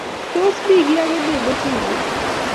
Tos, mi kiy age nemeche inay?